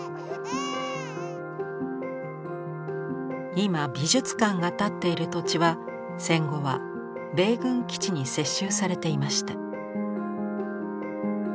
今美術館が立っている土地は戦後は米軍基地に接収されていました。